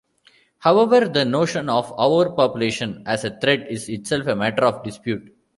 However, the notion of overpopulation as a threat is itself a matter of dispute.